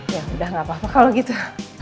ya udah gak apa apa kalau gitu